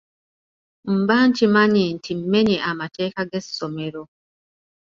Mba nkimanyi nti mmenye amateeka g’essomero.